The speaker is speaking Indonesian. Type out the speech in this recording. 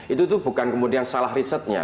itu tuh bukan kemudian salah risetnya